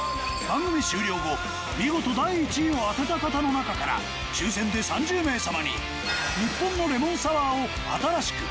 番組終了後見事第１位を当てた方の中から抽選で３０名様に「日本のレモンサワーを新しく。」